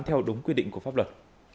theo đúng quy định của pháp luật